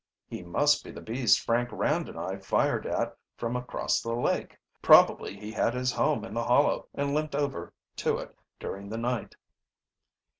"He must be the beast Frank Rand and I fired at from across the lake. Probably he had his home in the hollow and limped over to it during the night."